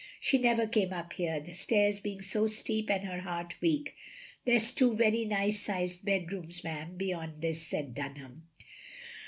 She never came up here, the stairs being so steep and her heart weak. There 's two very nice sized bedrooms, ma'am, beyond this," said Dunham.